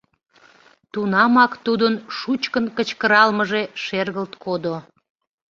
Тунамак тудын шучкын кычкыралмыже шергылт кодо.